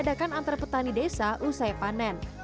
ledakan antar petani desa usai panen